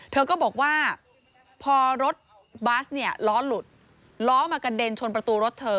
เธอก็บอกว่าพอรถบัสเนี่ยล้อหลุดล้อมากระเด็นชนประตูรถเธอ